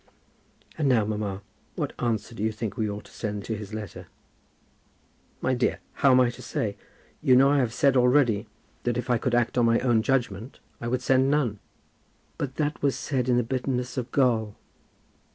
"And now, mamma, what answer do you think we ought to send to his letter?" "My dear, how am I to say? You know I have said already that if I could act on my own judgment, I would send none." "But that was said in the bitterness of gall."